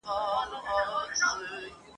نه پوهیږي چي دی څوک دی د کوم قام دی ..